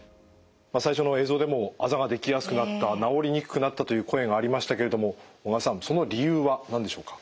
最初の映像でもあざができやすくなった治りにくくなったという声がありましたけれども小川さんその理由は何でしょうか？